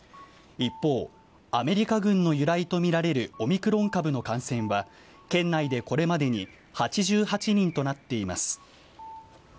一方、アメリカ軍の由来と見られるオミクロン株の感染は、県内でこれまでに８８人となっています。